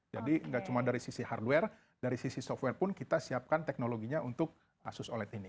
jadi nggak cuma dari sisi hardware dari sisi software pun kita siapkan teknologinya untuk asus oled ini